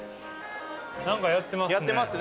何かやってますね。